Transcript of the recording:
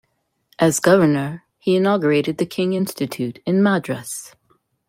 As governor, he inaugurated the King Institute in Madras.